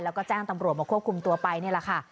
แล้วก็แจ้งตำรวจมาควบคุมตัวไปนี่แหละค่ะ